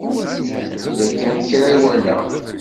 Yella kan kra i walaɣ.